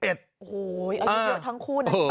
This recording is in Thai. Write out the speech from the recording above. โอ้โหอายุเยอะทั้งคู่นะ